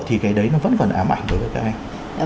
thì cái đấy nó vẫn còn ám ảnh đối với các anh